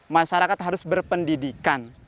masyarakat harus berpendidikan